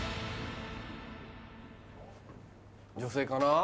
女性かな？